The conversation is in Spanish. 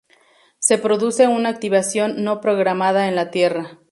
Se produce una activación no programada en la Tierra.